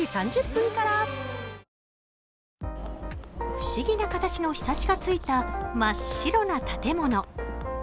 不思議な形のひさしがついた真っ白な建物。